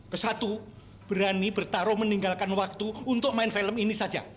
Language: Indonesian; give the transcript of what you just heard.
kesatu berani bertaruh meninggalkan waktu untuk main film ini saja